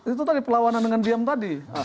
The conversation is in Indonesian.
itu tadi pelawanan dengan diem tadi